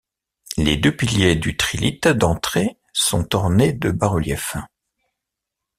Les deux piliers du trilithe d'entrée sont ornés de bas-reliefs.